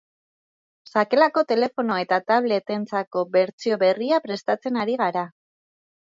Sakelako telefono eta tablet-entzako bertsio berria prestatzen ari gara.